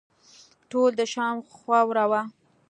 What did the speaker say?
ټول د شام خاوره وه.